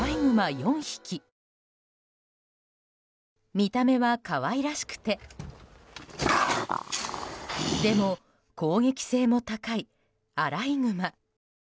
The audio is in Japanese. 見た目は可愛らしくてでも、攻撃性も高いアライグマ。